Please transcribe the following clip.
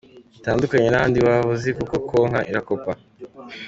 Bitandukanye n’ahandi waba uzi kuko Konka irakopa.